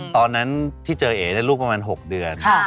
ตอนนั้นที่เจอเอ๋ได้ลูกประมาณ๖เดือน